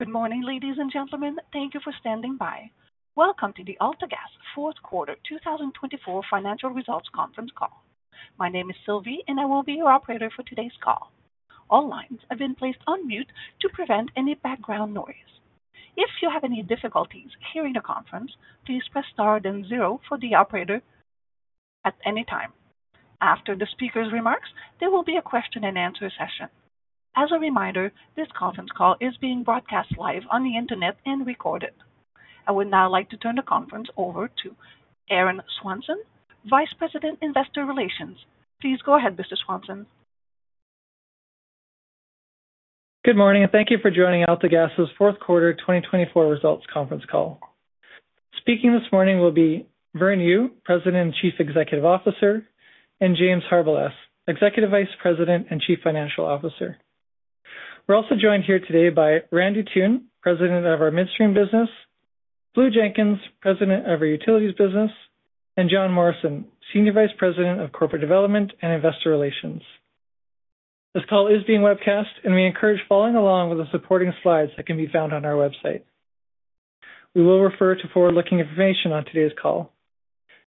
Good morning, ladies and gentlemen. Thank you for standing by. Welcome to the AltaGas Fourth Quarter 2024 Financial Results Conference Call. My name is Sylvie, and I will be your operator for today's call. All lines have been placed on mute to prevent any background noise. If you have any difficulties hearing the conference, please press star then zero for the operator at any time. After the speaker's remarks, there will be a question-and-answer session. As a reminder, this conference call is being broadcast live on the internet and recorded. I would now like to turn the conference over to Aaron Swanson, Vice President, Investor Relations. Please go ahead, Mr. Swanson. Good morning and thank you for joining AltaGas' Fourth Quarter 2024 Results Conference Call. Speaking this morning will be Vern Yu, President and Chief Executive Officer, and James Harbilas, Executive Vice President and Chief Financial Officer. We're also joined here today by Randy Toone, President of our Midstream Business, Blue Jenkins, President of our Utilities Business, and Jon Morrison, Senior Vice President of Corporate Development and Investor Relations. This call is being webcast, and we encourage following along with the supporting slides that can be found on our website. We will refer to forward-looking information on today's call.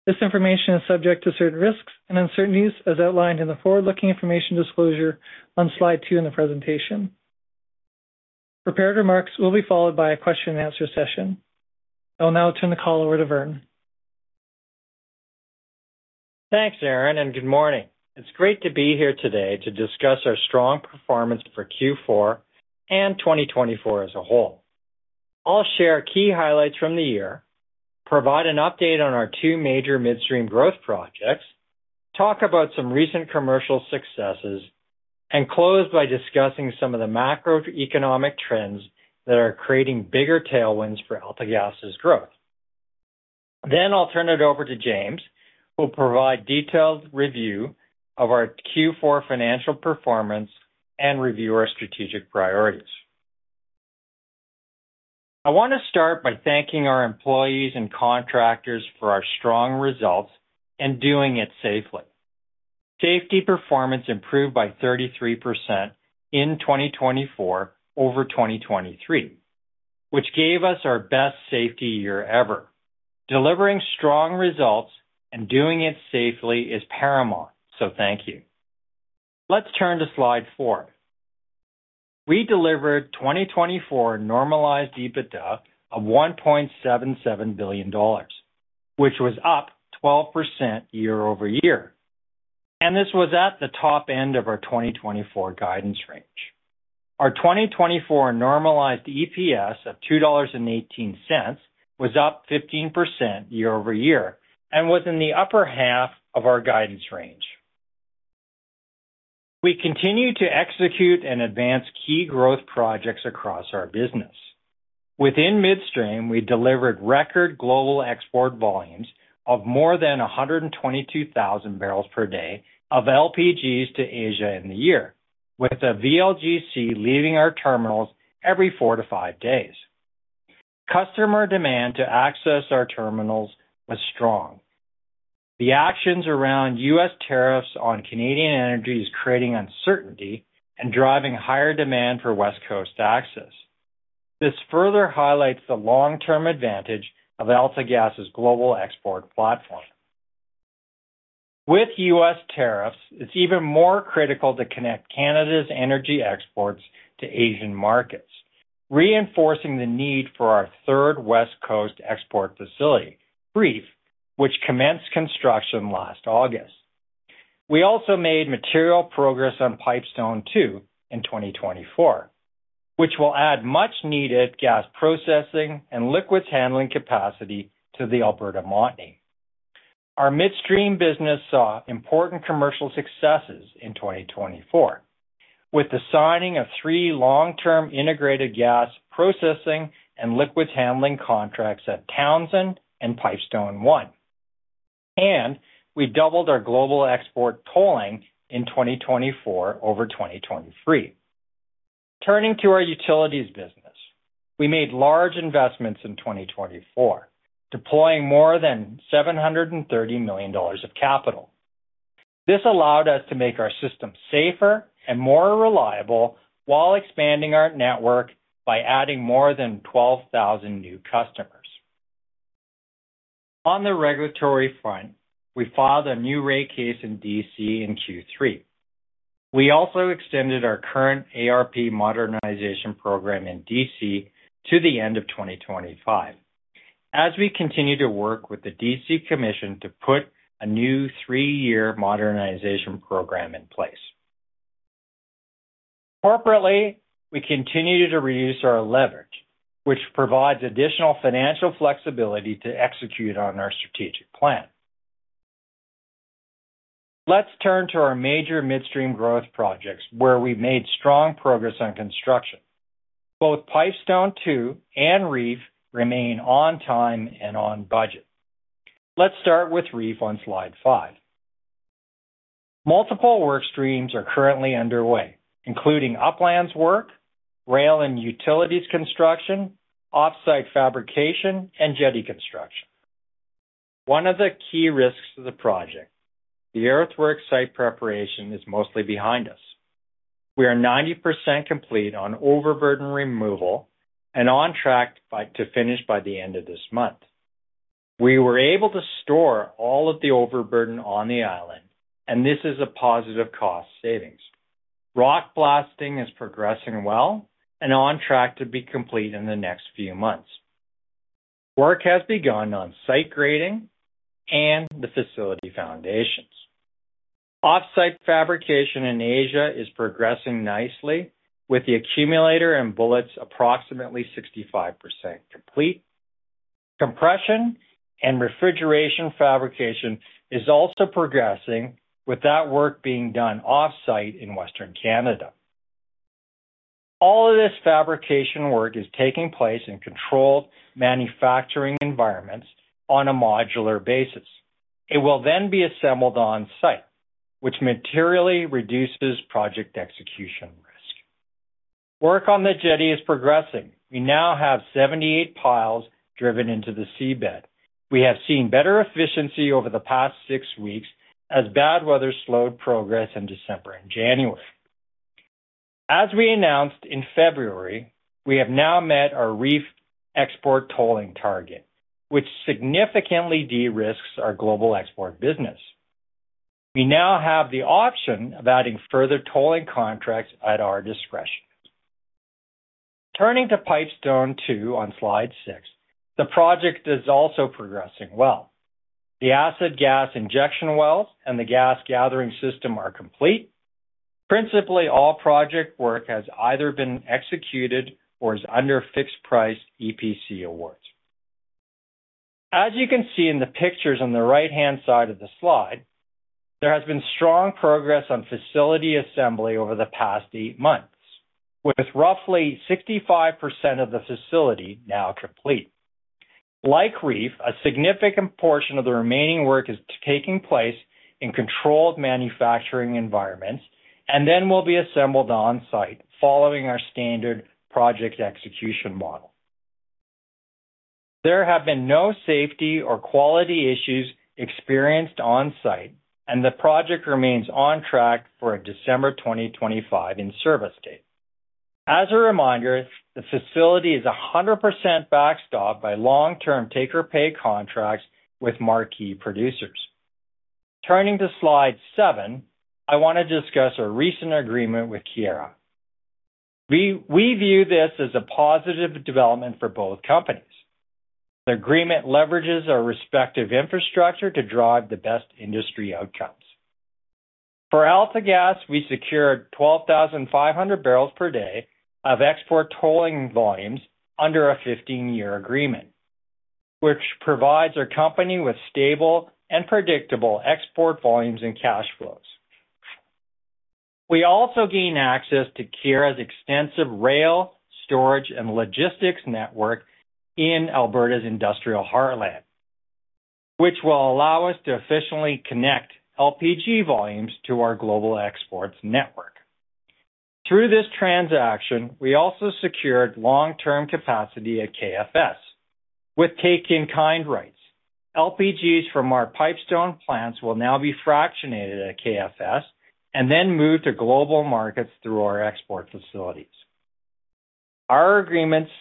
This information is subject to certain risks and uncertainties, as outlined in the forward-looking information disclosure on slide two in the presentation. Prepared remarks will be followed by a question-and-answer session. I will now turn the call over to Vern. Thanks, Aaron, and good morning. It's great to be here today to discuss our strong performance for Q4 and 2024 as a whole. I'll share key highlights from the year, provide an update on our two major midstream growth projects, talk about some recent commercial successes, and close by discussing some of the macroeconomic trends that are creating bigger tailwinds for AltaGas' growth. I will turn it over to James, who will provide a detailed review of our Q4 financial performance and review our strategic priorities. I want to start by thanking our employees and contractors for our strong results and doing it safely. Safety performance improved by 33% in 2024 over 2023, which gave us our best safety year ever. Delivering strong results and doing it safely is paramount, so thank you. Let's turn to slide four. We delivered 2024 normalized EBITDA of 1.77 billion dollars, which was up 12% year-over-year, and this was at the top end of our 2024 guidance range. Our 2024 normalized EPS of CAD 2.18 was up 15% year-over-year and was in the upper half of our guidance range. We continue to execute and advance key growth projects across our business. Within Midstream, we delivered record global export volumes of more than 122,000 barrels per day of LPGs to Asia in the year, with a VLGC leaving our terminals every four to five days. Customer demand to access our terminals was strong. The actions around U.S. tariffs on Canadian energy are creating uncertainty and driving higher demand for West Coast access. This further highlights the long-term advantage of AltaGas' global export platform. With U.S. tariffs, it's even more critical to connect Canada's energy exports to Asian markets, reinforcing the need for our third West Coast export facility, REEF, which commenced construction last August. We also made material progress on Pipestone II in 2024, which will add much-needed gas processing and liquids handling capacity to the Alberta Montney. Our Midstream business saw important commercial successes in 2024, with the signing of three long-term integrated gas processing and liquids handling contracts at Townsend and Pipestone I. We doubled our global export tolling in 2024 over 2023. Turning to our Utilities business, we made large investments in 2024, deploying more than 730 million dollars of capital. This allowed us to make our system safer and more reliable while expanding our network by adding more than 12,000 new customers. On the regulatory front, we filed a new rate case in D.C. in Q3. We also extended our current ARP modernization program in D.C. to the end of 2025, as we continue to work with the D.C. Commission to put a new three-year modernization program in place. Corporately, we continue to reduce our leverage, which provides additional financial flexibility to execute on our strategic plan. Let's turn to our major Midstream growth projects where we made strong progress on construction. Both Pipestone II and REEF remain on time and on budget. Let's start with REEF on slide five. Multiple work streams are currently underway, including uplands work, rail and utilities construction, offsite fabrication, and jetty construction. One of the key risks of the project, the earthwork site preparation, is mostly behind us. We are 90% complete on overburden removal and on track to finish by the end of this month. We were able to store all of the overburden on the island, and this is a positive cost savings. Rock blasting is progressing well and on track to be complete in the next few months. Work has begun on site grading and the facility foundations. Offsite fabrication in Asia is progressing nicely, with the accumulator and bullets approximately 65% complete. Compression and refrigeration fabrication is also progressing, with that work being done offsite in Western Canada. All of this fabrication work is taking place in controlled manufacturing environments on a modular basis. It will then be assembled on site, which materially reduces project execution risk. Work on the jetty is progressing. We now have 78 piles driven into the seabed. We have seen better efficiency over the past six weeks, as bad weather slowed progress in December and January. As we announced in February, we have now met our REEF export tolling target, which significantly de-risks our Global Export business. We now have the option of adding further tolling contracts at our discretion. Turning to Pipestone II on slide six, the project is also progressing well. The asset gas injection wells and the gas gathering system are complete. Principally, all project work has either been executed or is under fixed-price EPC awards. As you can see in the pictures on the right-hand side of the slide, there has been strong progress on facility assembly over the past eight months, with roughly 65% of the facility now complete. Like REEF, a significant portion of the remaining work is taking place in controlled manufacturing environments and then will be assembled on site following our standard project execution model. There have been no safety or quality issues experienced on site, and the project remains on track for a December 2025 in-service date. As a reminder, the facility is 100% backstopped by long-term take-or-pay contracts with marquee producers. Turning to slide seven, I want to discuss our recent agreement with Keyera. We view this as a positive development for both companies. The agreement leverages our respective infrastructure to drive the best industry outcomes. For AltaGas, we secured 12,500 barrels per day of export tolling volumes under a 15-year agreement, which provides our company with stable and predictable export volumes and cash flows. We also gain access to Keyera's extensive rail, storage, and logistics network in Alberta's industrial heartland, which will allow us to efficiently connect LPG volumes to our global exports network. Through this transaction, we also secured long-term capacity at KFS, with take-in-kind rights. LPGs from our Pipestone plants will now be fractionated at KFS and then moved to global markets through our export facilities. Our agreements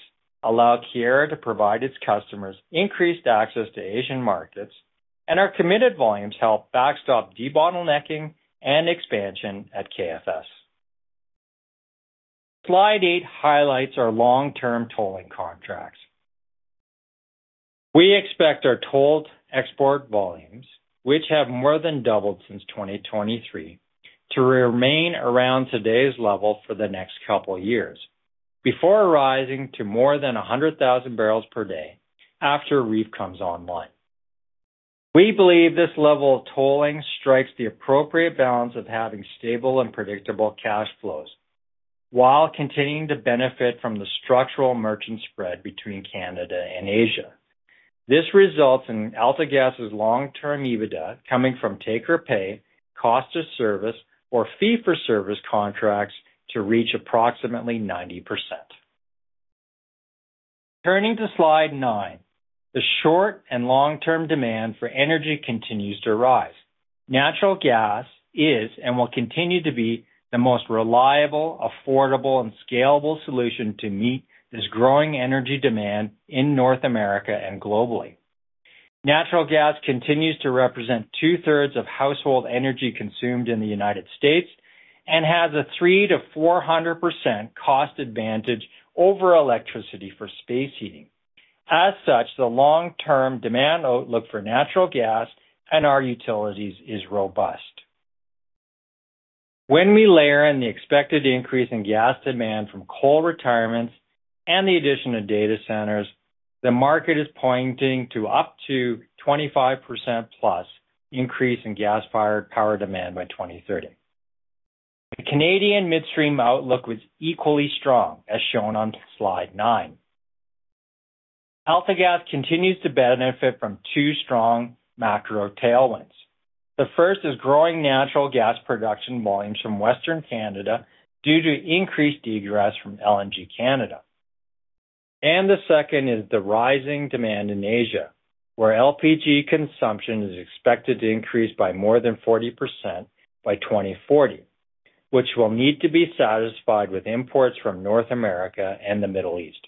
allow Keyera to provide its customers increased access to Asian markets, and our committed volumes help backstop debottlenecking and expansion at KFS. Slide eight highlights our long-term tolling contracts. We expect our tolled export volumes, which have more than doubled since 2023, to remain around today's level for the next couple of years before rising to more than 100,000 barrels per day after REEF comes online. We believe this level of tolling strikes the appropriate balance of having stable and predictable cash flows while continuing to benefit from the structural merchant spread between Canada and Asia. This results in AltaGas' long-term EBITDA coming from take-or-pay, cost-of-service, or fee-for-service contracts to reach approximately 90%. Turning to slide nine, the short and long-term demand for energy continues to rise. Natural gas is and will continue to be the most reliable, affordable, and scalable solution to meet this growing energy demand in North America and globally. Natural gas continues to represent two-thirds of household energy consumed in the United States and has a 300%-400% cost advantage over electricity for space heating. As such, the long-term demand outlook for natural gas and our utilities is robust. When we layer in the expected increase in gas demand from coal retirements and the addition of data centers, the market is pointing to up to 25%+ increase in gas-fired power demand by 2030. The Canadian midstream outlook was equally strong, as shown on slide nine. AltaGas continues to benefit from two strong macro tailwinds. The first is growing natural gas production volumes from Western Canada due to increased egress from LNG Canada. The second is the rising demand in Asia, where LPG consumption is expected to increase by more than 40% by 2040, which will need to be satisfied with imports from North America and the Middle East.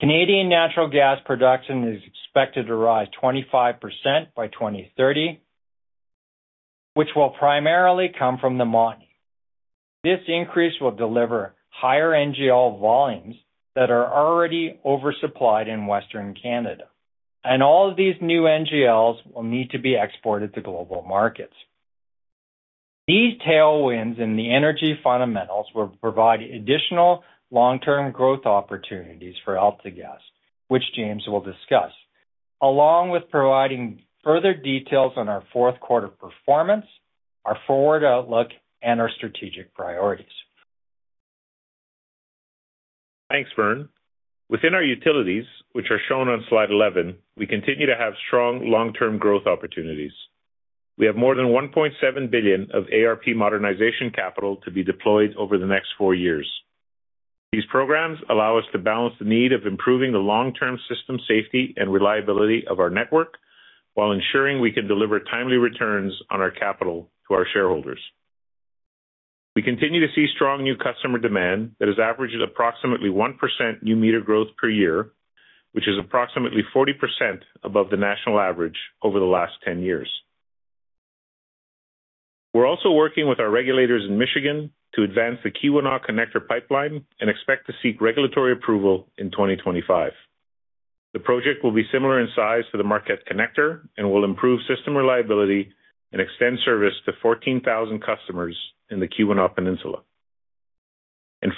Canadian natural gas production is expected to rise 25% by 2030, which will primarily come from the Montney. This increase will deliver higher NGL volumes that are already oversupplied in Western Canada, and all of these new NGLs will need to be exported to global markets. These tailwinds in the energy fundamentals will provide additional long-term growth opportunities for AltaGas, which James will discuss, along with providing further details on our fourth quarter performance, our forward outlook, and our strategic priorities. Thanks, Vern. Within our Utilities, which are shown on slide 11, we continue to have strong long-term growth opportunities. We have more than 1.7 billion of ARP modernization capital to be deployed over the next four years. These programs allow us to balance the need of improving the long-term system safety and reliability of our network while ensuring we can deliver timely returns on our capital to our shareholders. We continue to see strong new customer demand that has averaged approximately 1% new meter growth per year, which is approximately 40% above the national average over the last 10 years. We are also working with our regulators in Michigan to advance the Keweenaw Connector Pipeline and expect to seek regulatory approval in 2025. The project will be similar in size to the Marquette Connector and will improve system reliability and extend service to 14,000 customers in the Keweenaw Peninsula.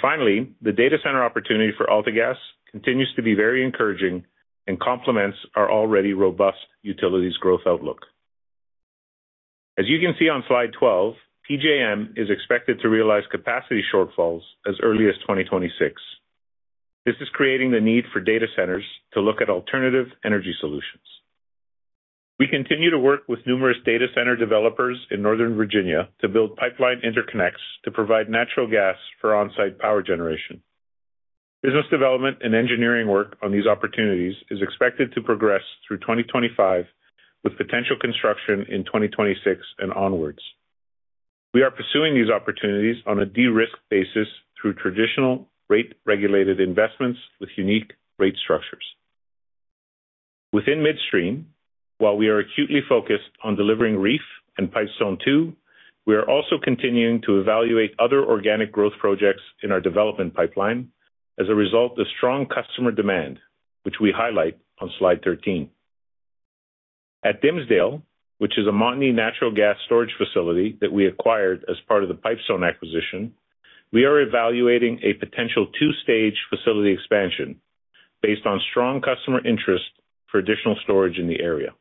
Finally, the data center opportunity for AltaGas continues to be very encouraging and complements our already robust utilities growth outlook. As you can see on slide 12, PJM is expected to realize capacity shortfalls as early as 2026. This is creating the need for data centers to look at alternative energy solutions. We continue to work with numerous data center developers in Northern Virginia to build pipeline interconnects to provide natural gas for onsite power generation. Business development and engineering work on these opportunities is expected to progress through 2025, with potential construction in 2026 and onwards. We are pursuing these opportunities on a de-risk basis through traditional rate-regulated investments with unique rate structures. Within Midstream, while we are acutely focused on delivering REEF and Pipestone II, we are also continuing to evaluate other organic growth projects in our development pipeline as a result of strong customer demand, which we highlight on slide 13. At Dimsdale, which is a Montney natural gas storage facility that we acquired as part of the Pipestone acquisition, we are evaluating a potential two-stage facility expansion based on strong customer interest for additional storage in the area.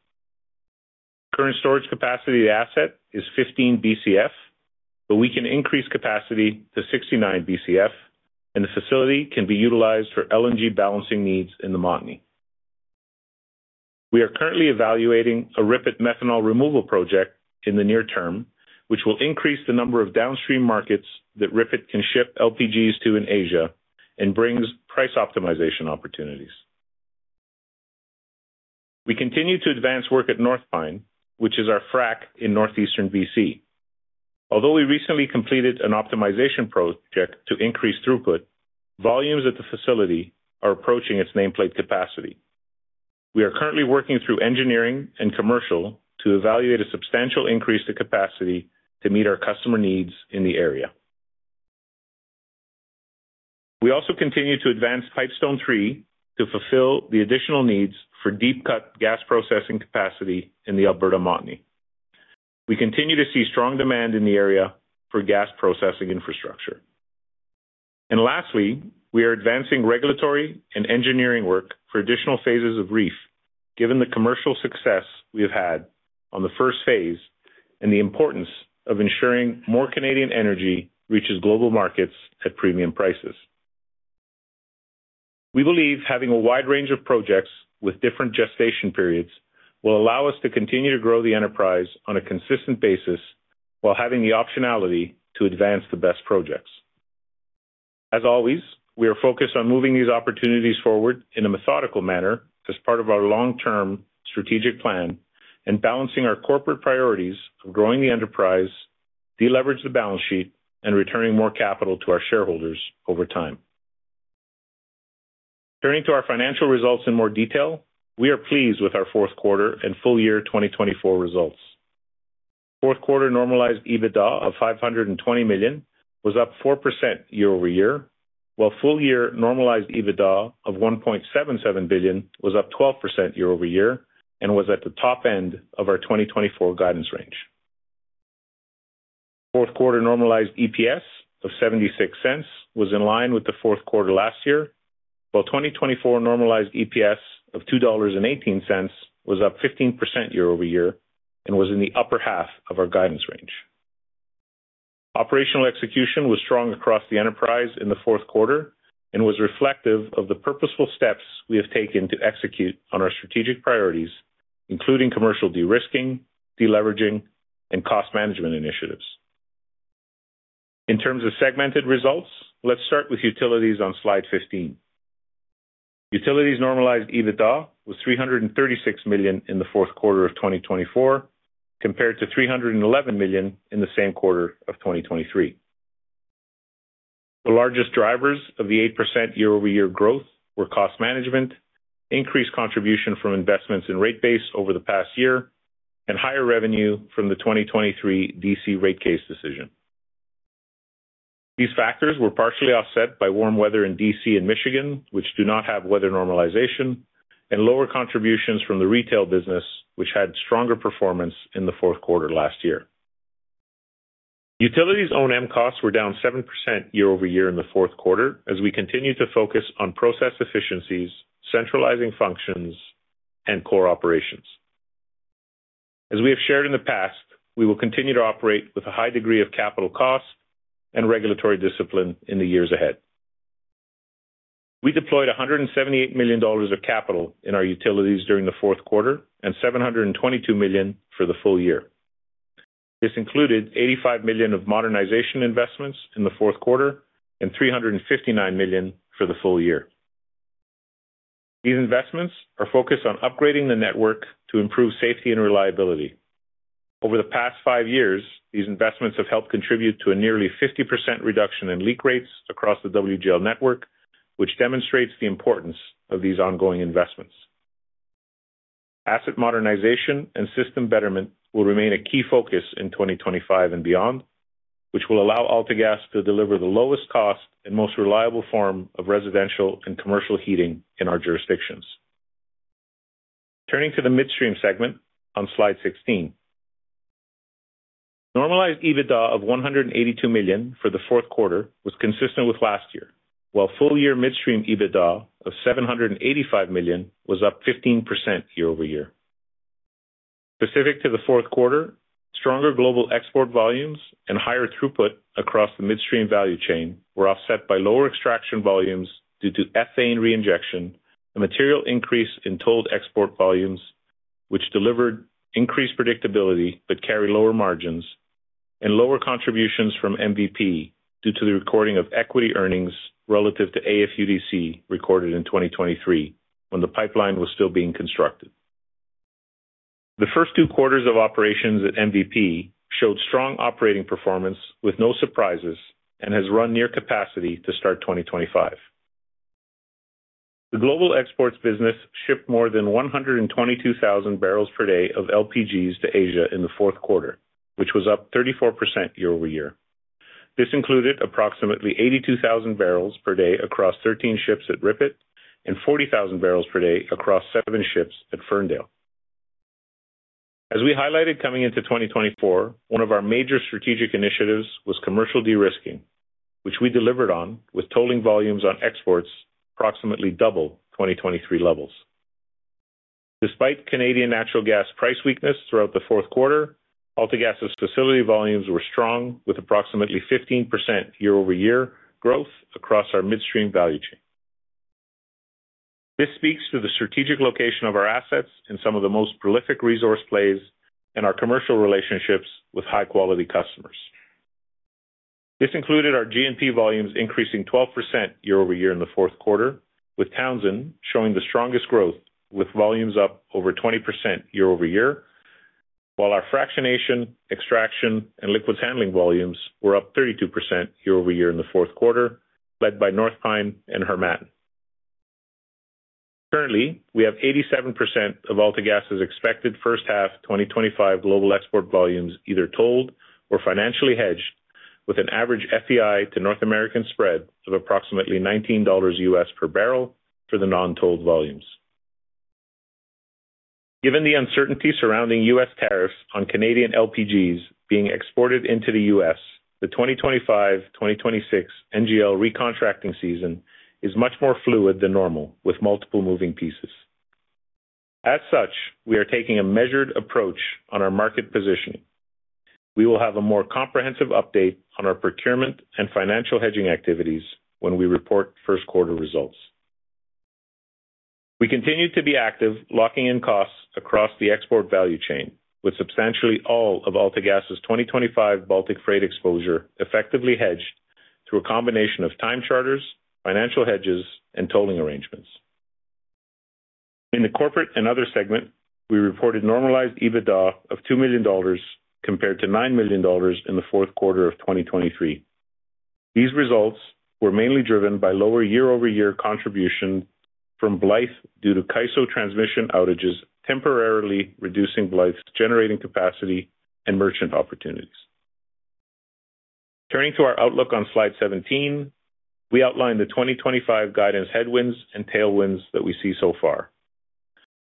Current storage capacity asset is 15 Bcf, but we can increase capacity to 69 Bcf, and the facility can be utilized for LNG balancing needs in the Montney. We are currently evaluating a RIPET methanol removal project in the near term, which will increase the number of downstream markets that RIPET can ship LPGs to in Asia and brings price optimization opportunities. We continue to advance work at North Pine, which is our frac in Northeastern B.C. Although we recently completed an optimization project to increase throughput, volumes at the facility are approaching its nameplate capacity. We are currently working through engineering and commercial to evaluate a substantial increase to capacity to meet our customer needs in the area. We also continue to advance Pipestone III to fulfill the additional needs for deep-cut gas processing capacity in the Alberta Montney. We continue to see strong demand in the area for gas processing infrastructure. Lastly, we are advancing regulatory and engineering work for additional phases of REEF, given the commercial success we have had on the first phase and the importance of ensuring more Canadian energy reaches global markets at premium prices. We believe having a wide range of projects with different gestation periods will allow us to continue to grow the enterprise on a consistent basis while having the optionality to advance the best projects. As always, we are focused on moving these opportunities forward in a methodical manner as part of our long-term strategic plan and balancing our corporate priorities of growing the enterprise, deleveraging the balance sheet, and returning more capital to our shareholders over time. Turning to our financial results in more detail, we are pleased with our fourth quarter and full year 2024 results. Fourth quarter normalized EBITDA of 520 million was up 4% year-over-year, while full year normalized EBITDA of 1.77 billion was up 12% year-over-year and was at the top end of our 2024 guidance range. Fourth quarter normalized EPS of 0.76 was in line with the fourth quarter last year, while 2024 normalized EPS of 2.18 dollars was up 15% year-over-year and was in the upper half of our guidance range. Operational execution was strong across the enterprise in the fourth quarter and was reflective of the purposeful steps we have taken to execute on our strategic priorities, including commercial de-risking, deleveraging, and cost management initiatives. In terms of segmented results, let's start with Utilities on slide 15. Utilities normalized EBITDA was 336 million in the fourth quarter of 2024, compared to 311 million in the same quarter of 2023. The largest drivers of the 8% year-over-year growth were cost management, increased contribution from investments in rate base over the past year, and higher revenue from the 2023 D.C. rate case decision. These factors were partially offset by warm weather in D.C. and Michigan, which do not have weather normalization, and lower contributions from the retail business, which had stronger performance in the fourth quarter last year. Utilities O&M costs were down 7% year-over-year in the fourth quarter as we continue to focus on process efficiencies, centralizing functions, and core operations. As we have shared in the past, we will continue to operate with a high degree of capital cost and regulatory discipline in the years ahead. We deployed 178 million dollars of capital in our utilities during the fourth quarter and 722 million for the full year. This included $85 million of modernization investments in the fourth quarter and 359 million for the full year. These investments are focused on upgrading the network to improve safety and reliability. Over the past five years, these investments have helped contribute to a nearly 50% reduction in leak rates across the WGL network, which demonstrates the importance of these ongoing investments. Asset modernization and system betterment will remain a key focus in 2025 and beyond, which will allow AltaGas to deliver the lowest cost and most reliable form of residential and commercial heating in our jurisdictions. Turning to the Midstream segment on slide 16, normalized EBITDA of 182 million for the fourth quarter was consistent with last year, while full year Midstream EBITDA of 785 million was up 15% year-over-year. Specific to the fourth quarter, stronger global export volumes and higher throughput across the Midstream value chain were offset by lower extraction volumes due to ethane reinjection, a material increase in tolled export volumes, which delivered increased predictability but carried lower margins, and lower contributions from MVP due to the recording of equity earnings relative to AFUDC recorded in 2023 when the pipeline was still being constructed. The first two quarters of operations at MVP showed strong operating performance with no surprises and has run near capacity to start 2025. The Global Exports business shipped more than 122,000 barrels per day of LPGs to Asia in the fourth quarter, which was up 34% year-over-year. This included approximately 82,000 barrels per day across 13 ships at RIPET and 40,000 barrels per day across seven ships at Ferndale. As we highlighted coming into 2024, one of our major strategic initiatives was commercial de-risking, which we delivered on with tolling volumes on exports approximately double 2023 levels. Despite Canadian natural gas price weakness throughout the fourth quarter, AltaGas's facility volumes were strong with approximately 15% year-over-year growth across our midstream value chain. This speaks to the strategic location of our assets in some of the most prolific resource plays and our commercial relationships with high-quality customers. This included our G&P volumes increasing 12% year-over-year in the fourth quarter, with Townsend showing the strongest growth with volumes up over 20% year-over-year, while our fractionation, extraction, and liquids handling volumes were up 32% year-over-year in the fourth quarter, led by North Pine and Harmattan. Currently, we have 87% of AltaGas's expected first-half 2025 global export volumes either tolled or financially hedged, with an average FEI-to-North American spread of approximately $19 per barrel for the non-tolled volumes. Given the uncertainty surrounding U.S. tariffs on Canadian LPGs being exported into the U.S., the 2025-2026 NGL recontracting season is much more fluid than normal with multiple moving pieces. As such, we are taking a measured approach on our market positioning. We will have a more comprehensive update on our procurement and financial hedging activities when we report first quarter results. We continue to be active locking in costs across the export value chain, with substantially all of AltaGas's 2025 Baltic Freight exposure effectively hedged through a combination of time charters, financial hedges, and tolling arrangements. In the Corporate and Other segment, we reported normalized EBITDA of 2 million dollars compared to 9 million dollars in the fourth quarter of 2023. These results were mainly driven by lower year-over-year contribution from Blythe due to CAISO transmission outages temporarily reducing Blythe's generating capacity and merchant opportunities. Turning to our outlook on slide 17, we outline the 2025 guidance headwinds and tailwinds that we see so far.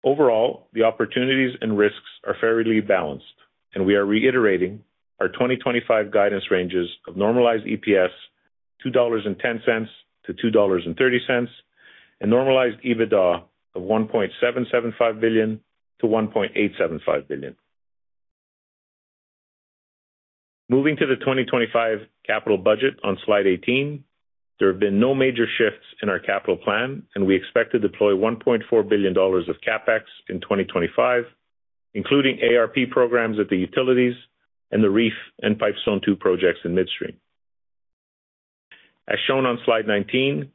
Overall, the opportunities and risks are fairly balanced, and we are reiterating our 2025 guidance ranges of normalized EPS 2.10-2.30 dollars and normalized EBITDA of 1.775 billion-1.875 billion. Moving to the 2025 capital budget on slide 18, there have been no major shifts in our capital plan, and we expect to deploy 1.4 billion dollars of CapEx in 2025, including ARP programs at the Utilities, and the REEF and Pipestone II projects in Midstream. As shown on slide 19,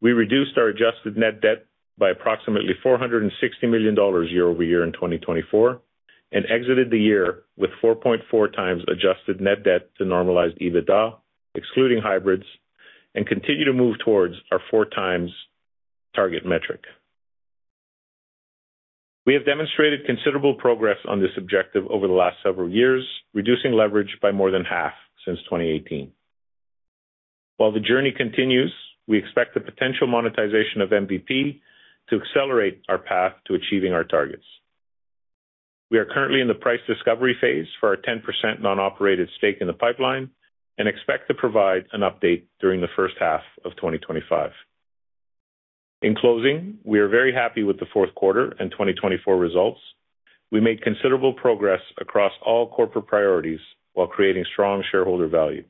we reduced our adjusted net debt by approximately 460 million dollars year-over-year in 2024 and exited the year with 4.4x adjusted net debt to normalized EBITDA, excluding hybrids, and continue to move towards our 4x target metric. We have demonstrated considerable progress on this objective over the last several years, reducing leverage by more than half since 2018. While the journey continues, we expect the potential monetization of MVP to accelerate our path to achieving our targets. We are currently in the price discovery phase for our 10% non-operated stake in the pipeline and expect to provide an update during the first half of 2025. In closing, we are very happy with the fourth quarter and 2024 results. We made considerable progress across all corporate priorities while creating strong shareholder value.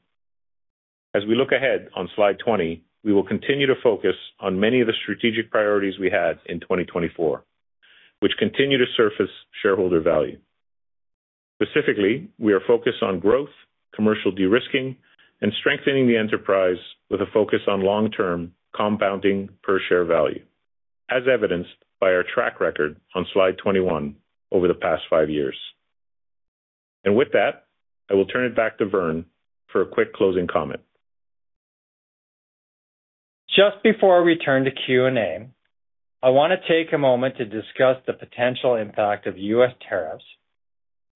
As we look ahead on slide 20, we will continue to focus on many of the strategic priorities we had in 2024, which continue to surface shareholder value. Specifically, we are focused on growth, commercial de-risking, and strengthening the enterprise with a focus on long-term compounding per share value, as evidenced by our track record on slide 21 over the past five years. I will turn it back to Vern for a quick closing comment. Just before we turn to Q&A, I want to take a moment to discuss the potential impact of U.S. tariffs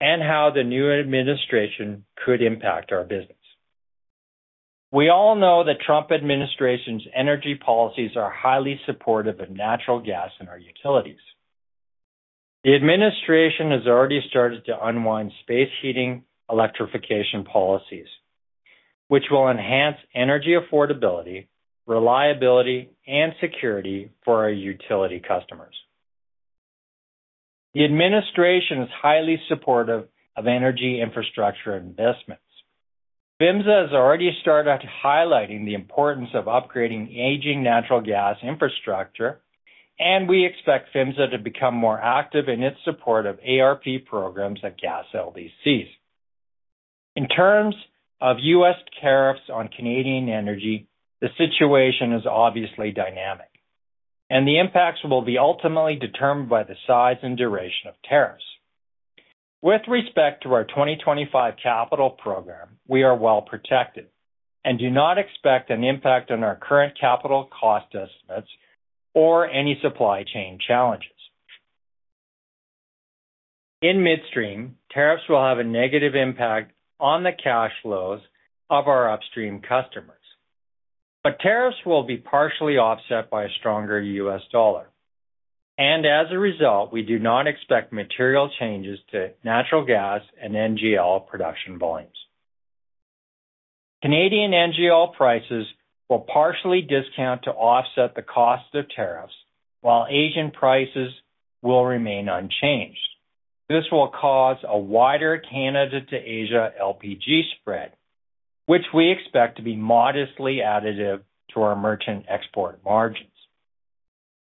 and how the new administration could impact our business. We all know that Trump administration's energy policies are highly supportive of natural gas in our utilities. The administration has already started to unwind space heating electrification policies, which will enhance energy affordability, reliability, and security for our utility customers. The administration is highly supportive of energy infrastructure investments. PHMSA has already started highlighting the importance of upgrading aging natural gas infrastructure, and we expect PHMSA to become more active in its support of ARP programs at gas LDCs. In terms of U.S. tariffs on Canadian energy, the situation is obviously dynamic, and the impacts will be ultimately determined by the size and duration of tariffs. With respect to our 2025 capital program, we are well protected and do not expect an impact on our current capital cost estimates or any supply chain challenges. In Midstream, tariffs will have a negative impact on the cash flows of our upstream customers, tariffs will be partially offset by a stronger US dollar. As a result, we do not expect material changes to natural gas and NGL production volumes. Canadian NGL prices will partially discount to offset the cost of tariffs, while Asian prices will remain unchanged. This will cause a wider Canada-to-Asia LPG spread, which we expect to be modestly additive to our merchant export margins.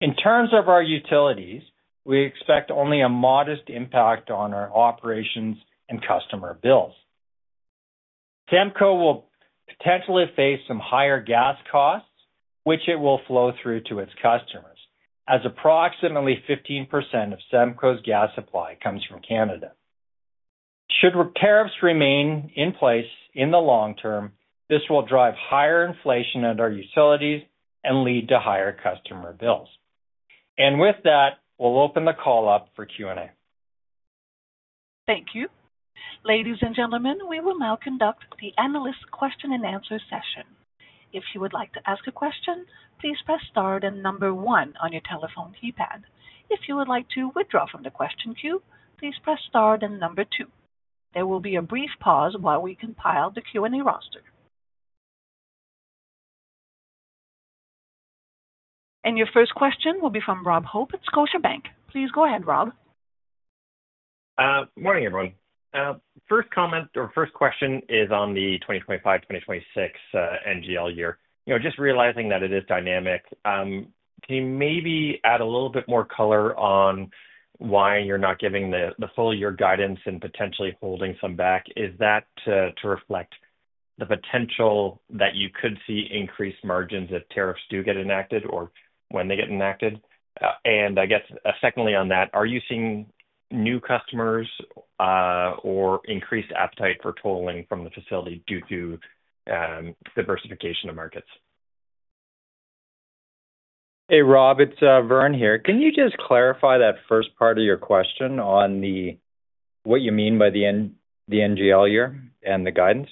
In terms of our Utilities, we expect only a modest impact on our operations and customer bills. SEMCO will potentially face some higher gas costs, which it will flow through to its customers, as approximately 15% of SEMCO's gas supply comes from Canada. Should tariffs remain in place in the long term, this will drive higher inflation at our Utilities and lead to higher customer bills. With that, we'll open the call up for Q&A. Thank you. Ladies and gentlemen, we will now conduct the analyst question and answer session. If you would like to ask a question, please press star then number one on your telephone keypad. If you would like to withdraw from the question queue, please press star then number two. There will be a brief pause while we compile the Q&A roster. Your first question will be from Rob Hope at Scotiabank. Please go ahead, Rob. Good morning, everyone. First comment or first question is on the 2025-2026 NGL year. You know, just realizing that it is dynamic, can you maybe add a little bit more color on why you're not giving the full year guidance and potentially holding some back? Is that to reflect the potential that you could see increased margins if tariffs do get enacted or when they get enacted? I guess secondly on that, are you seeing new customers or increased appetite for tolling from the facility due to diversification of markets? Hey, Rob, it's Vern here. Can you just clarify that first part of your question on what you mean by the NGL year and the guidance?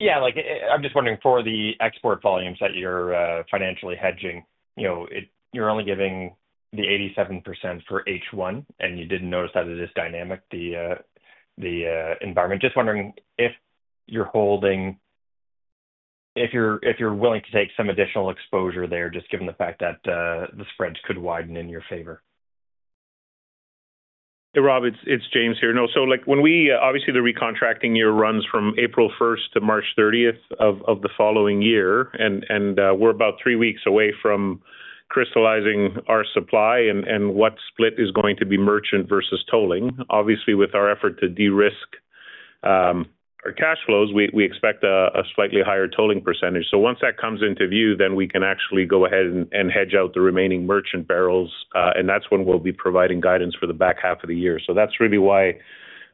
Yeah, like I'm just wondering for the export volumes that you're financially hedging, you know, you're only giving the 87% for H1, and you did notice that it is dynamic, the environment. Just wondering if you're holding, if you're willing to take some additional exposure there, just given the fact that the spreads could widen in your favor. Hey, Rob, it's James here. No, like when we, obviously the recontracting year runs from April 1 to March 30 of the following year, and we're about three weeks away from crystallizing our supply and what split is going to be merchant versus tolling. Obviously, with our effort to de-risk our cash flows, we expect a slightly higher tolling percentage. Once that comes into view, then we can actually go ahead and hedge out the remaining merchant barrels, and that's when we'll be providing guidance for the back half of the year. That's really why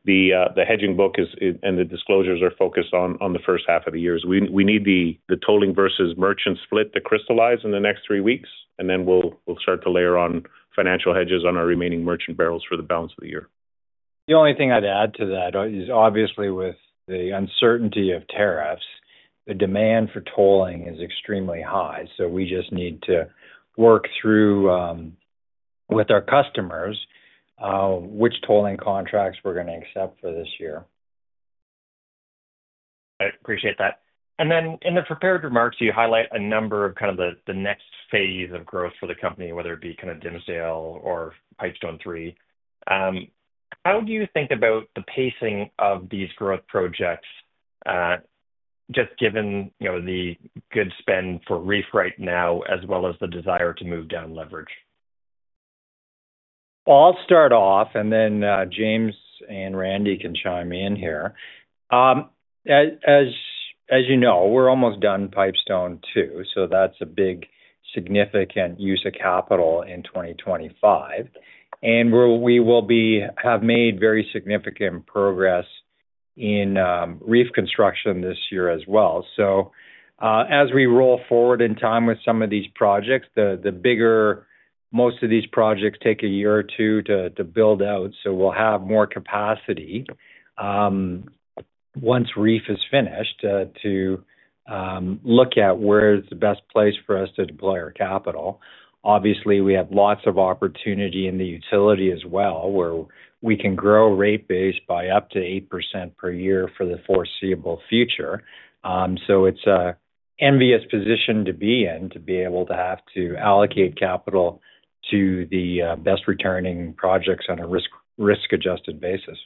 the hedging book and the disclosures are focused on the first half of the year. We need the tolling versus merchant split to crystallize in the next three weeks, and then we'll start to layer on financial hedges on our remaining merchant barrels for the balance of the year. The only thing I'd add to that is obviously with the uncertainty of tariffs, the demand for tolling is extremely high. We just need to work through with our customers which tolling contracts we're going to accept for this year. I appreciate that. In the prepared remarks, you highlight a number of kind of the next phase of growth for the company, whether it be kind of Dimsdale or Pipestone III. How do you think about the pacing of these growth projects, just given the good spend for REEF right now, as well as the desire to move down leverage? I'll start off, and then James and Randy can chime in here. As you know, we're almost done Pipestone II, so that's a big significant use of capital in 2025. We will have made very significant progress in REEF construction this year as well. As we roll forward in time with some of these projects, most of these projects take a year or two to build out, so we'll have more capacity once REEF is finished to look at where's the best place for us to deploy our capital. Obviously, we have lots of opportunity in the utility as well, where we can grow rate base by up to 8% per year for the foreseeable future. It's an envious position to be in, to be able to have to allocate capital to the best returning projects on a risk-adjusted basis.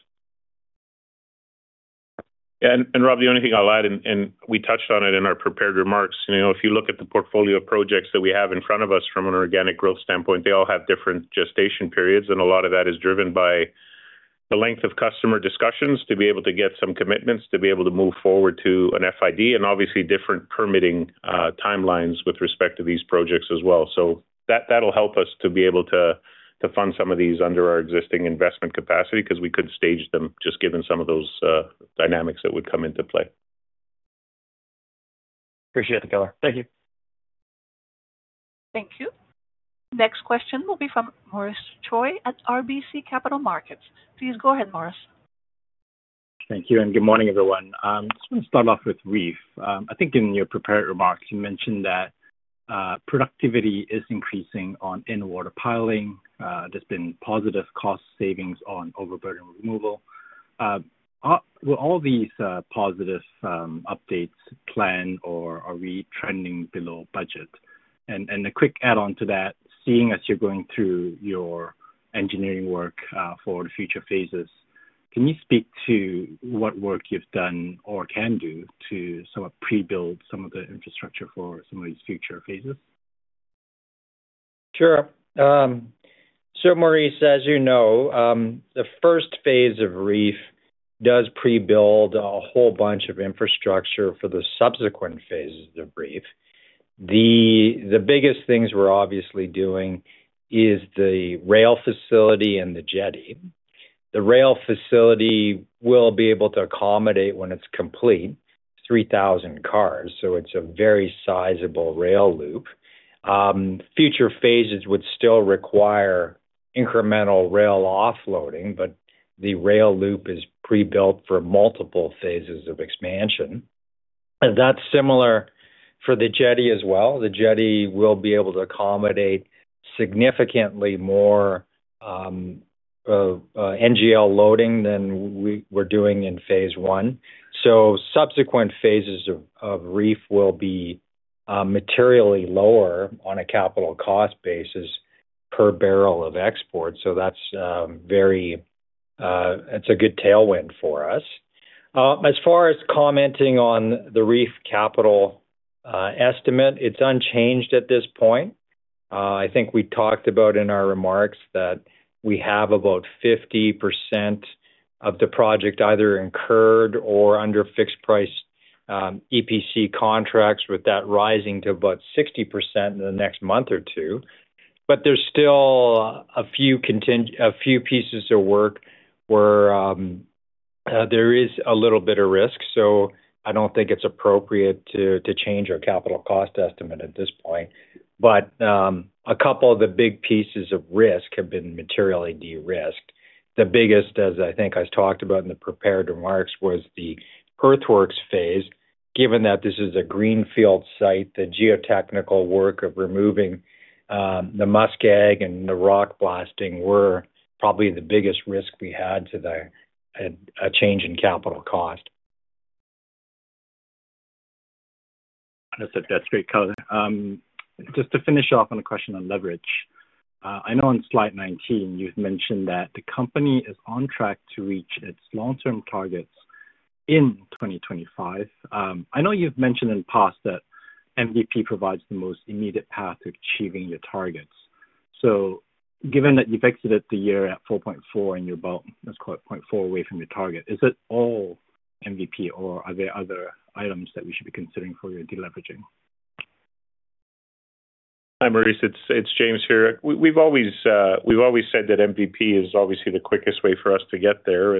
Yeah, and Rob, the only thing I'll add, and we touched on it in our prepared remarks, you know, if you look at the portfolio of projects that we have in front of us from an organic growth standpoint, they all have different gestation periods, and a lot of that is driven by the length of customer discussions to be able to get some commitments to be able to move forward to an FID, and obviously different permitting timelines with respect to these projects as well. That'll help us to be able to fund some of these under our existing investment capacity because we could stage them just given some of those dynamics that would come into play. Appreciate the color. Thank you. Thank you. Next question will be from Maurice Choy at RBC Capital Markets. Please go ahead, Maurice. Thank you, and good morning, everyone. I just want to start off with REEF. I think in your prepared remarks, you mentioned that productivity is increasing on in-water piling. There's been positive cost savings on overburden removal. Will all these positive updates plan or are we trending below budget? A quick add-on to that, seeing as you're going through your engineering work for the future phases, can you speak to what work you've done or can do to sort of pre-build some of the infrastructure for some of these future phases? Sure. Maurice, as you know, the first phase of REEF does pre-build a whole bunch of infrastructure for the subsequent phases of REEF. The biggest things we're obviously doing is the rail facility and the jetty. The rail facility will be able to accommodate, when it's complete, 3,000 cars, so it's a very sizable rail loop. Future phases would still require incremental rail offloading, but the rail loop is pre-built for multiple phases of expansion. That is similar for the jetty as well. The jetty will be able to accommodate significantly more NGL loading than we are doing in phase I. Subsequent phases of REEF will be materially lower on a capital cost basis per barrel of export. That is very, it is a good tailwind for us. As far as commenting on the REEF capital estimate, it is unchanged at this point. I think we talked about in our remarks that we have about 50% of the project either incurred or under fixed-price EPC contracts with that rising to about 60% in the next month or two. There are still a few pieces of work where there is a little bit of risk, so I do not think it is appropriate to change our capital cost estimate at this point. A couple of the big pieces of risk have been materially de-risked. The biggest, as I think I talked about in the prepared remarks, was the earthworks phase. Given that this is a greenfield site, the geotechnical work of removing the muskeg and the rock blasting were probably the biggest risk we had to a change in capital cost. That's a great color. Just to finish off on a question on leverage, I know on slide 19 you've mentioned that the company is on track to reach its long-term targets in 2025. I know you've mentioned in the past that MVP provides the most immediate path to achieving your targets. Given that you've exited the year at 4.4 and you're about, let's call it 0.4 away from your target, is it all MVP, or are there other items that we should be considering for your deleveraging? Hi Maurice, it's James here. We've always said that MVP is obviously the quickest way for us to get there.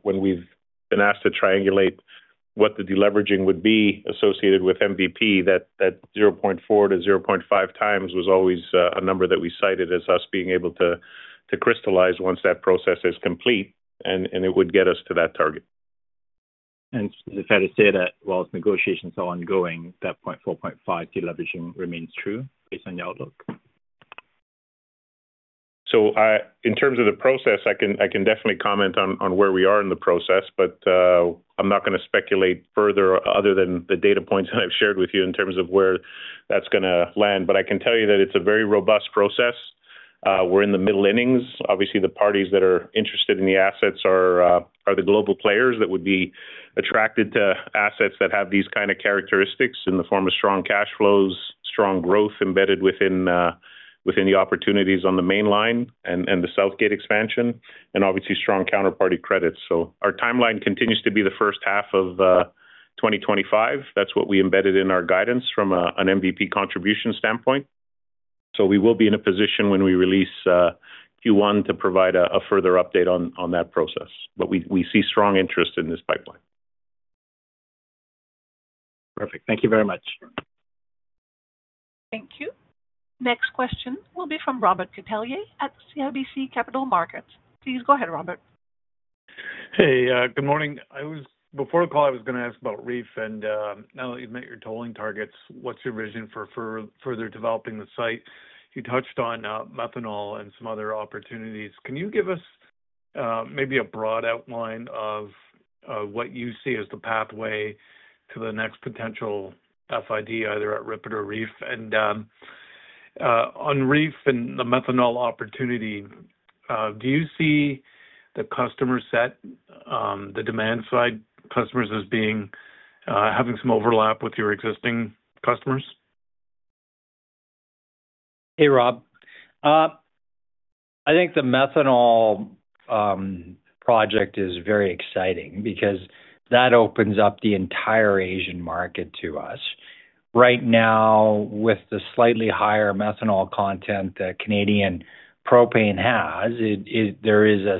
When we've been asked to triangulate what the deleveraging would be associated with MVP, that 0.4x-0.5x was always a number that we cited as us being able to crystallize once that process is complete, and it would get us to that target. Is it fair to say that while negotiations are ongoing, that 0.4x, 0.5x deleveraging remains true based on the outlook? In terms of the process, I can definitely comment on where we are in the process, but I'm not going to speculate further other than the data points that I've shared with you in terms of where that's going to land. I can tell you that it's a very robust process. We're in the middle innings. Obviously, the parties that are interested in the assets are the global players that would be attracted to assets that have these kind of characteristics in the form of strong cash flows, strong growth embedded within the opportunities on the Mainline and the Southgate expansion, and obviously strong counterparty credits. Our timeline continues to be the first half of 2025. That is what we embedded in our guidance from an MVP contribution standpoint. We will be in a position when we release Q1 to provide a further update on that process. We see strong interest in this pipeline. Perfect. Thank you very much. Thank you. Next question will be from Robert Catellier at CIBC Capital Markets. Please go ahead, Robert. Hey, good morning. Before the call, I was going to ask about REEF, and now that you've met your tolling targets, what's your vision for further developing the site? You touched on methanol and some other opportunities. Can you give us maybe a broad outline of what you see as the pathway to the next potential FID, either at RIPET or REEF? On REEF and the methanol opportunity, do you see the customer set, the demand-side customers, as having some overlap with your existing customers? Hey, Rob. I think the methanol project is very exciting because that opens up the entire Asian market to us. Right now, with the slightly higher methanol content that Canadian propane has, there is a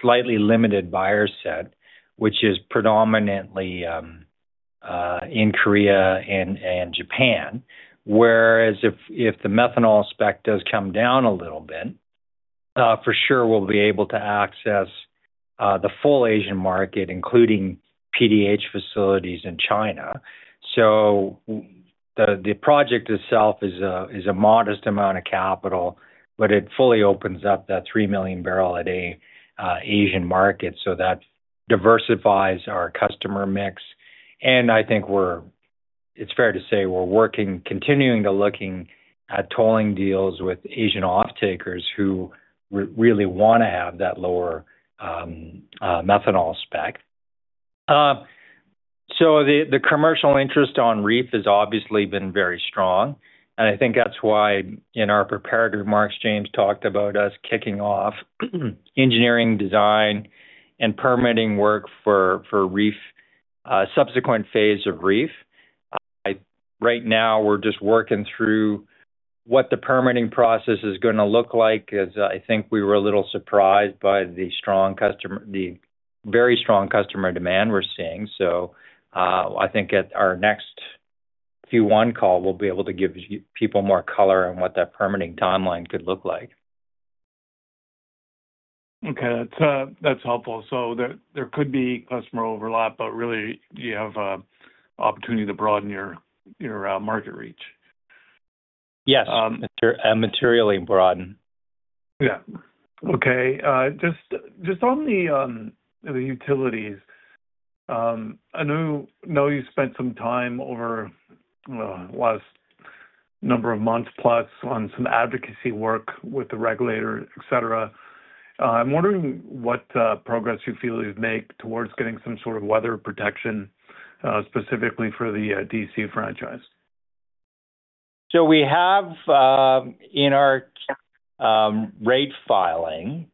slightly limited buyer set, which is predominantly in Korea and Japan. Whereas if the methanol spec does come down a little bit, for sure we'll be able to access the full Asian market, including PDH facilities in China. The project itself is a modest amount of capital, but it fully opens up that 3 million barrel a day Asian market. That diversifies our customer mix. I think it's fair to say we're working, continuing to look at tolling deals with Asian off-takers who really want to have that lower methanol spec. The commercial interest on REEF has obviously been very strong. I think that's why in our prepared remarks, James talked about us kicking off engineering design and permitting work for subsequent phase of REEF. Right now, we're just working through what the permitting process is going to look like, as I think we were a little surprised by the very strong customer demand we're seeing. I think at our next Q1 call, we'll be able to give people more color on what that permitting timeline could look like. Okay. That's helpful. There could be customer overlap, but really you have an opportunity to broaden your market reach. Yes. And materially broaden. Yeah. Okay. Just on the Utilities, I know you spent some time over the last number of months plus on some advocacy work with the regulator, etc. I'm wondering what progress you feel you've made towards getting some sort of weather protection specifically for the D.C. franchise. We have in our rate filing,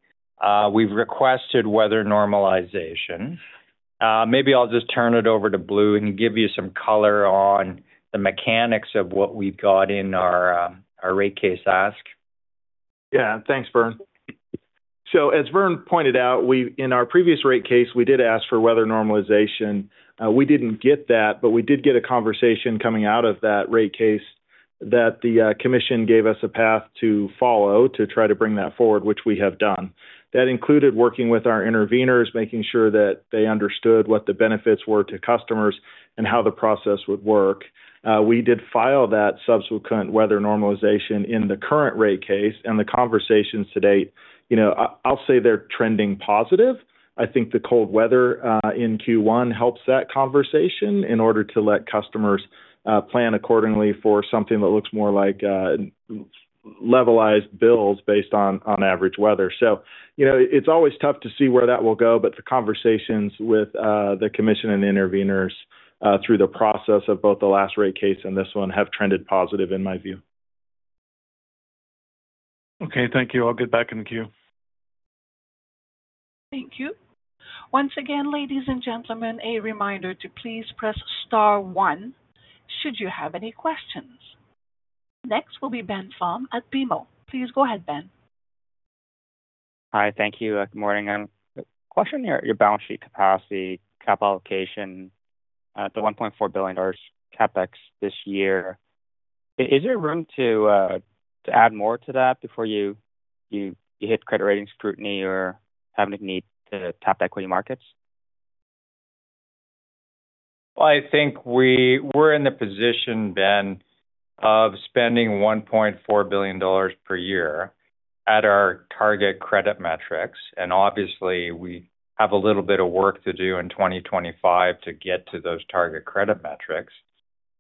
we've requested weather normalization. Maybe I'll just turn it over to Blue and give you some color on the mechanics of what we've got in our rate case ask. Yeah. Thanks, Vern. As Vern pointed out, in our previous rate case, we did ask for weather normalization. We didn't get that, but we did get a conversation coming out of that rate case that the Commission gave us a path to follow to try to bring that forward, which we have done. That included working with our interveners, making sure that they understood what the benefits were to customers and how the process would work. We did file that subsequent weather normalization in the current rate case, and the conversations to date, I'll say they're trending positive. I think the cold weather in Q1 helps that conversation in order to let customers plan accordingly for something that looks more like levelized bills based on average weather. It is always tough to see where that will go, but the conversations with the Commission and interveners through the process of both the last rate case and this one have trended positive in my view. Thank you. I'll get back in the queue. Thank you. Once again, ladies and gentlemen, a reminder to please press star one should you have any questions. Next will be Ben Pham at BMO. Please go ahead, Ben. Hi. Thank you. Good morning. I'm questioning your balance sheet capacity, cap allocation at the 1.4 billion dollars CapEx this year. Is there room to add more to that before you hit credit rating scrutiny or have any need to tap equity markets? I think we're in the position, Ben, of spending 1.4 billion dollars per year at our target credit metrics. Obviously, we have a little bit of work to do in 2025 to get to those target credit metrics.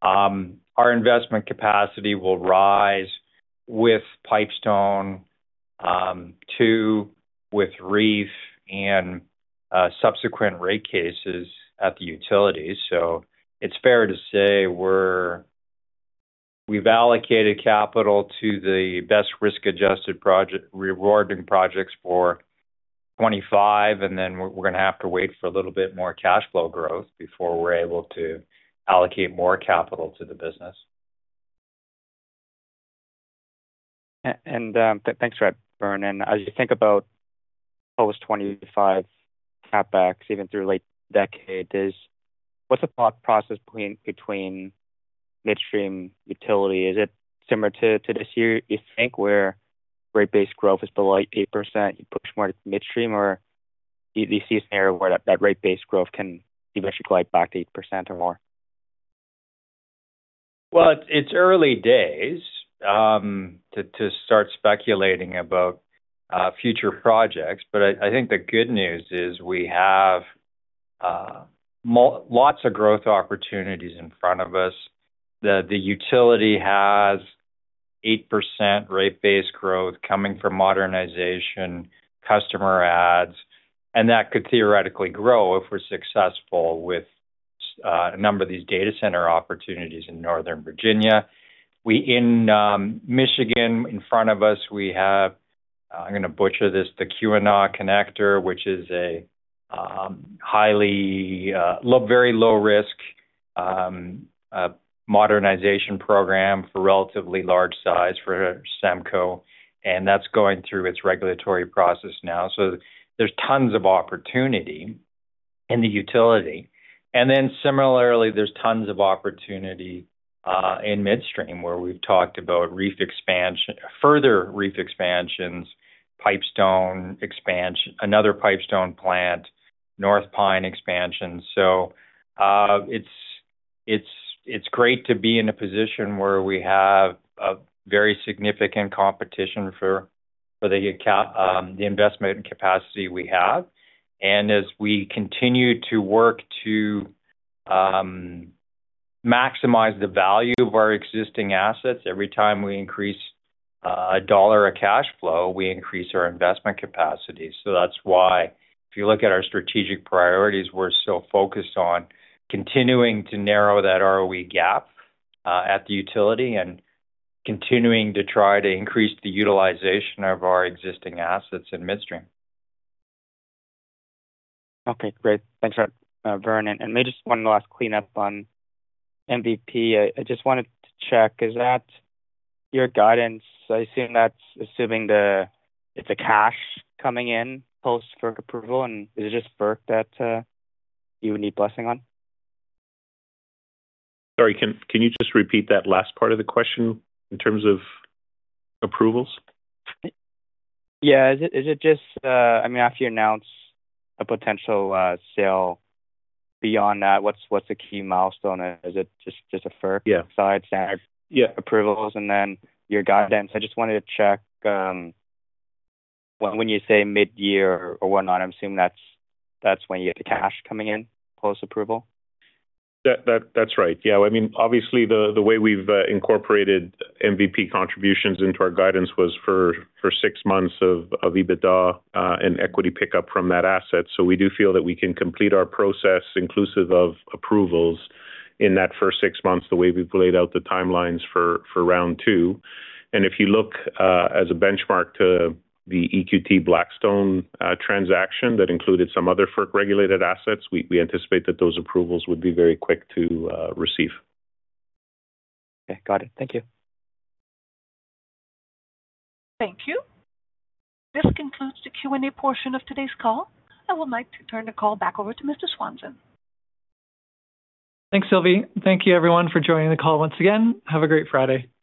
Our investment capacity will rise with Pipestone II, with REEF, and subsequent rate cases at the utilities. It's fair to say we've allocated capital to the best risk-adjusted rewarding projects for 2025, and then we're going to have to wait for a little bit more cash flow growth before we're able to allocate more capital to the business. Thanks for that, Vern. As you think about post-2025 CapEx, even through late decade, what's the thought process between Midstream, Utility? Is it similar to this year you think where rate-based growth is below 8%, you push more to Midstream, or do you see an area where that rate-based growth can eventually glide back to 8% or more? It's early days to start speculating about future projects. I think the good news is we have lots of growth opportunities in front of us. The Utility has 8% rate-based growth coming from modernization, customer adds, and that could theoretically grow if we're successful with a number of these data center opportunities in Northern Virginia. In Michigan, in front of us, we have, I'm going to butcher this, the Keweenaw connector, which is a very low-risk modernization program for relatively large size for SEMCO, and that's going through its regulatory process now. There's tons of opportunity in the Utility. There is tons of opportunity in Midstream where we have talked about further REEF expansions, Pipestone expansion, another Pipestone plant, North Pine expansion. It is great to be in a position where we have very significant competition for the investment capacity we have. As we continue to work to maximize the value of our existing assets, every time we increase a dollar of cash flow, we increase our investment capacity. That is why if you look at our strategic priorities, we are so focused on continuing to narrow that ROE gap at the utility and continuing to try to increase the utilization of our existing assets in Midstream. Okay. Great. Thanks for that, Vern. Maybe just one last cleanup on MVP. I just wanted to check, is that your guidance? I assume that's assuming it's cash coming in post-approval, and is it just FERC that you would need blessing on? Sorry. Can you just repeat that last part of the question in terms of approvals? Yeah. Is it just, I mean, after you announce a potential sale, beyond that, what's the key milestone? Is it just a FERC-side standard approvals and then your guidance? I just wanted to check when you say midyear or whatnot, I'm assuming that's when you get the cash coming in post-approval. That's right. Yeah. I mean, obviously, the way we've incorporated MVP contributions into our guidance was for six months of EBITDA and equity pickup from that asset. So we do feel that we can complete our process inclusive of approvals in that first six months the way we've laid out the timelines for round two. If you look as a benchmark to the EQT Blackstone transaction that included some other FERC-regulated assets, we anticipate that those approvals would be very quick to receive. Okay. Got it. Thank you. Thank you. This concludes the Q&A portion of today's call. I would like to turn the call back over to Mr. Swanson. Thanks, Sylvie. Thank you, everyone, for joining the call once again. Have a great Friday.